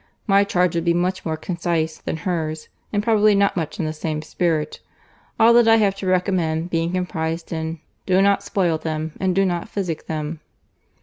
My charge would be much more concise than her's, and probably not much in the same spirit; all that I have to recommend being comprised in, do not spoil them, and do not physic them."